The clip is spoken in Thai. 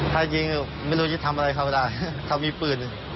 ถ้ายิงไม่รู้จะทำอะไรเขาก็ได้เขามีปืน